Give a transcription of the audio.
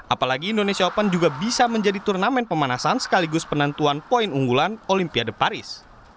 apalagi indonesia open juga bisa menjadi turnamen pemanasan sekaligus penentuan poin unggulan olimpiade paris